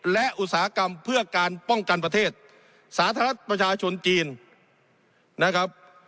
และอุตสาหกรรมเพื่อการป้องกันประเทศสาธารณะประชาชนจีนนะครับ